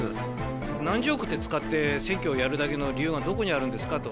何十億って使って選挙をやるだけの理由がどこにあるんですかと。